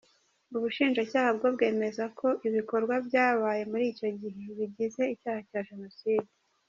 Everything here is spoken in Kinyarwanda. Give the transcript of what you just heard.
Ubushinjacyaha bwo bwemeza ko ibikorwa byabaye muri icyo gihe bigize icyaha cya jenoside.